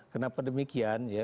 kenapa demikian ya